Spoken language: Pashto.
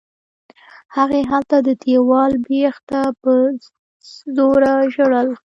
هغې هلته د دېوال بېخ ته په زوره ژړل.